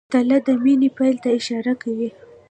تله د مني پیل ته اشاره کوي.